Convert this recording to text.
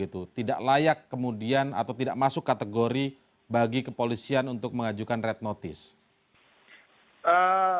tidak layak kemudian atau tidak masuk kategori bagi kepolisian untuk mengajukan red notice